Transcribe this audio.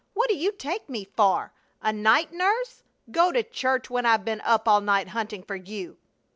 What do you take me for? A night nurse? Go to church when I've been up all night hunting for you?"